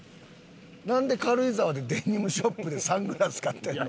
なんで軽井沢でデニムショップでサングラス買ってんの？